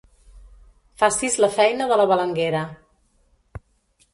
Facis la feina de la balenguera.